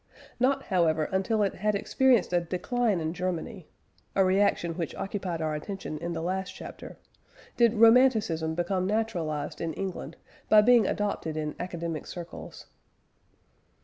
Not, however, until it had experienced a decline in Germany (a reaction which occupied our attention in the last chapter), did Romanticism become naturalised in England by being adopted in academic circles.